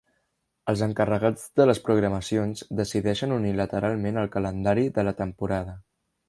Els encarregats de les programacions decideixen unilateralment el calendari de la temporada.